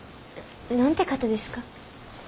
何て方ですか？